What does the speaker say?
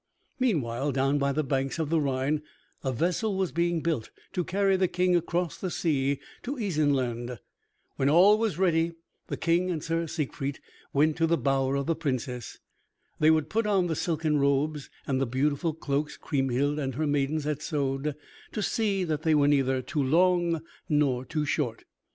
Meanwhile down by the banks of the Rhine a vessel was being built to carry the King across the sea to Isenland. When all was ready the King and Sir Siegfried went to the bower of the Princess. They would put on the silken robes and the beautiful cloaks Kriemhild and her maidens had sewed to see that they were neither too long nor too short.